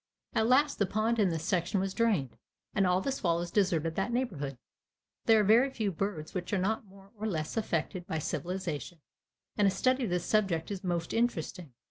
At last the pond in the section was drained, and all the swallows deserted that neighborhood. There are very few birds which are not more or less affected by civilization, and a study of this subject is most interesting.